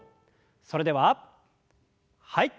それでははい。